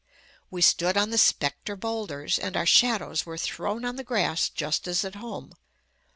We stood on the "spectre" boulders, and our shadows were thrown on the grass, just as at home.